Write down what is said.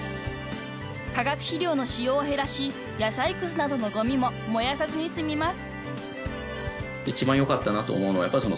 ［化学肥料の使用を減らし野菜くずなどのごみも燃やさずに済みます］